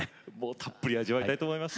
たっぷり味わいたいと思います。